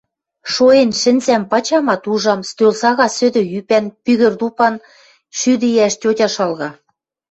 Шоэн сӹнзӓм пачамат, ужам: стӧл сага сӧдӧй ӱпӓн, пӱгӹр тупан шӱдӹ иӓш тьотя шалга